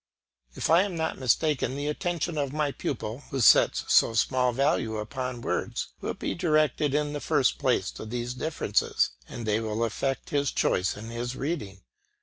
If I am not mistaken, the attention of my pupil, who sets so small value upon words, will be directed in the first place to these differences, and they will affect his choice in his reading.